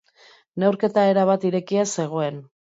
Neurketa erabat irekia zegoen.